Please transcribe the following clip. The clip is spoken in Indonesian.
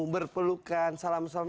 berpelukan salam salam